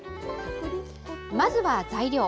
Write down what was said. まずは材料。